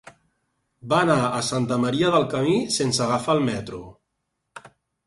Va anar a Santa Maria del Camí sense agafar el metro.